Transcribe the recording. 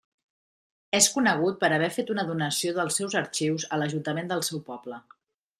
És conegut per haver fet una donació dels seus arxius a l'ajuntament del seu poble.